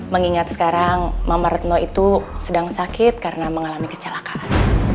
mengingat sekarang mama retno itu sedang sakit karena mengalami kecelakaan